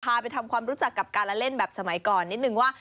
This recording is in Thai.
ไปทำความรู้จักกับการเล่นแบบสมัยก่อนนิดนึงว่า